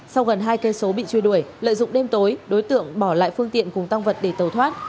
sau gần hai cây số bị truy đuổi lợi dụng đêm tối đối tượng bỏ lại phương tiện cùng tăng vật để tàu thoát